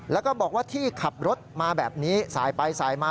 แล้วก็บอกว่าที่ขับรถมาแบบนี้สายไปสายมา